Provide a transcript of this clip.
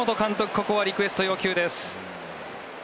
ここはリクエスト要求です。